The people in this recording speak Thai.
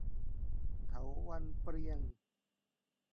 เถาวัลย์เปรียง